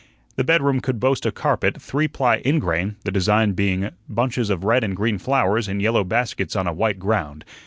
The bedroom could boast a carpet, three ply ingrain, the design being bunches of red and green flowers in yellow baskets on a white ground.